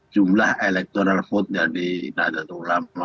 jumlah elektorat dari nahdlatul ulama